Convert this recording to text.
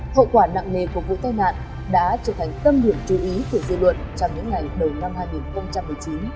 hậu quả nặng nề của vụ tai nạn đã trở thành tâm điểm chú ý của dư luận trong những ngày đầu năm hai nghìn một mươi chín